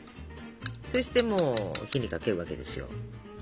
そしてもう火にかけるわけですよ。